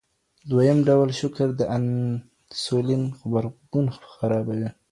دویم ډول شکر د انسولین غبرګون خرابوي.